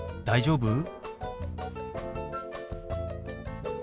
「大丈夫？」。